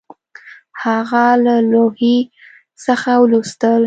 هغه له لوحې څخه ولوستل